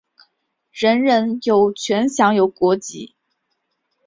人人有权享有国籍。